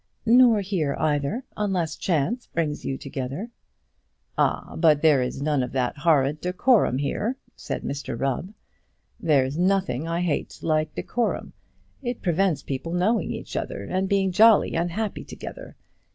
"Nor here either, unless chance brings you together." "Ah; but there is none of that horrid decorum here," said Mr Rubb. "There's nothing I hate like decorum. It prevents people knowing each other, and being jolly and happy together.